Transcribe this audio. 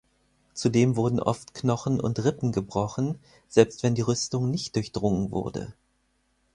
Zudem wurden oft Knochen und Rippen gebrochen, selbst wenn die Rüstung nicht durchdrungen wurde.